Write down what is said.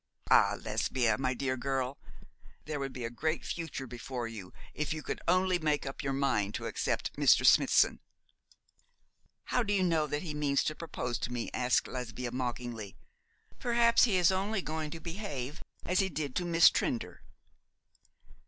Ah, Lesbia, my dear girl, there would be a great future before you if you could only make up your mind to accept Mr. Smithson.' 'How do you know that he means to propose to me?' asked Lesbia, mockingly. 'Perhaps he is only going to behave as he did to Miss Trinder.'